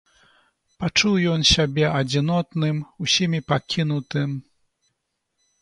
Пачуў ён сябе адзінотным, усімі пакінутым.